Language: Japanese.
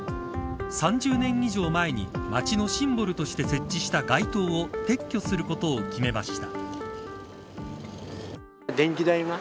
３０年以上前に街のシンボルとして設置した街灯を撤去することを決めました。